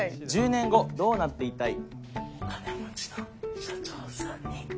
「１０年後どうなっていたい？」。